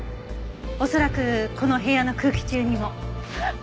恐らくこの部屋の空気中にも。